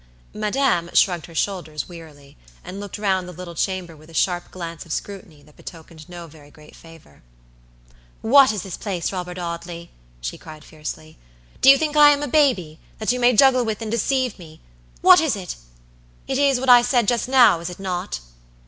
"Madam" shrugged her shoulders wearily, and looked round the little chamber with a sharp glance of scrutiny that betokened no very great favor. "WHAT is this place, Robert Audley?" she cried fiercely. "Do you think I am a baby, that you may juggle with and deceive mewhat is it? It is what I said just now, is it not?"